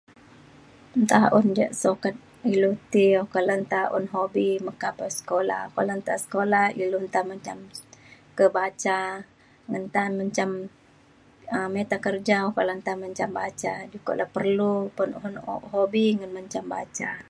nta un ja sukat ilu ti oka le nta un hobi meka pe sekula oka le nta sekula ilu nta menjam kebaca nta menjam um mita kerja oko le nta menjam baca jukok perlu un hobi ngan menjam baca